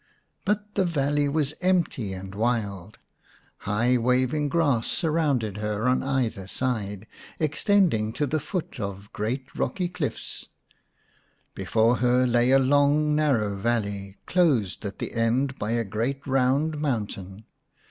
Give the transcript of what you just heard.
But the valley was empty and wild. High waving grass surrounded her on either side, extending to the foot of great rocky cliffs ; before her lay a long narrow valley, closed at the end by a great round mountain.